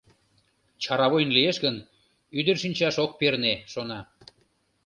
Чаравуйын лиеш гын, ӱдыр шинчаш ок перне, шона.